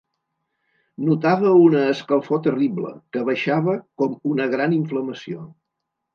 Notava una escalfor terrible, que baixava com una gran inflamació.